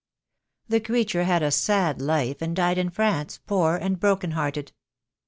The creature had a sad life, and died in France, poor and broken hearted.